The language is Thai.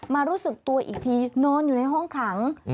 รู้สึกตัวอีกทีนอนอยู่ในห้องขัง